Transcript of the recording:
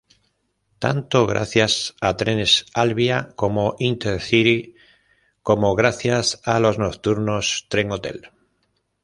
Tanto gracias a trenes Alvia, como Intercity como gracias a los nocturnos Trenhotel.